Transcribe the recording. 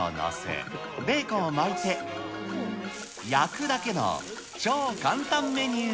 チーズを載せ、ベーコンを巻いて、焼くだけの、超簡単メニュー。